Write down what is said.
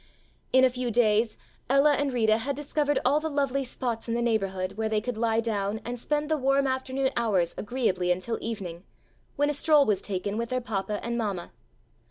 In a few days Ella and Rita had discovered all the lovely spots in the neighborhood, where they could lie down and spend the warm afternoon hours agreeably until evening, when a stroll was taken with their papa and mamma.